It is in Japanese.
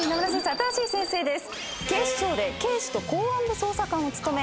新しい先生です。